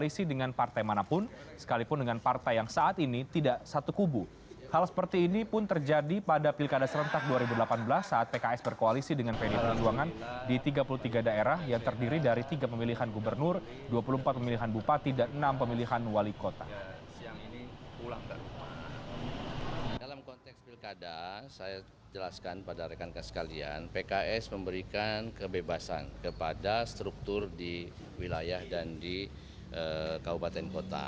saya jelaskan pada rekan rekan sekalian pks memberikan kebebasan kepada struktur di wilayah dan di kabupaten kota